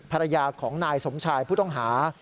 ภรรยาของนายสมชายผู้ต้องหา